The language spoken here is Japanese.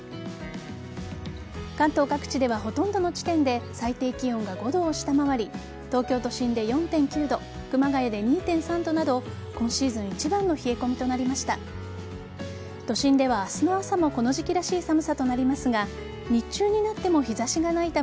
関東各地では、ほとんどの地点で最低気温が５度を下回り東京都心で４．９度熊谷で２．３度など今シーズン一番の冷え込みとなりました。